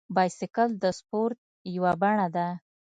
بایسکل د سپورت یوه بڼه ده.